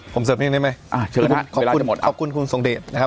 ผมเสิร์ฟยังได้ไหมอ่าเชิญนะเวลาจะหมดขอบคุณคุณทรงเดชนะครับ